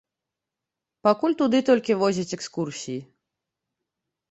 Пакуль туды толькі водзяць экскурсіі.